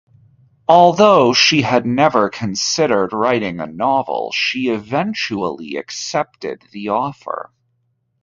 Although she had never considered writing a novel, she eventually accepted the offer.